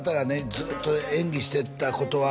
「ずっと演技してたことは」